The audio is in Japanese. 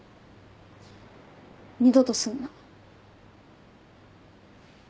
二度とすんな。